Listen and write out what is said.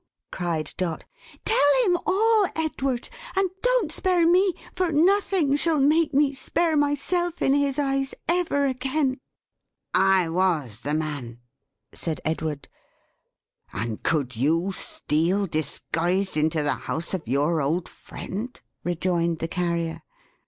cried Dot. "Tell him all, Edward; and don't spare me, for nothing shall make me spare myself in his eyes, ever again." "I was the man," said Edward. "And could you steal, disguised, into the house of your old friend?" rejoined the Carrier.